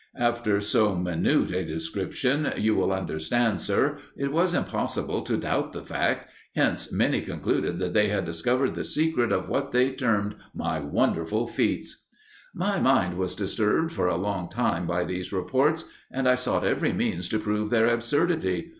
After so minute a description, you will understand, sir, it was impossible to doubt the fact; hence, many concluded they had discovered the secret of what they termed my wonderful feats. "My mind was disturbed for a long time by these reports, and I sought every means to prove their absurdity.